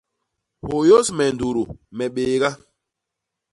Hôyôs me ndudu me bééga!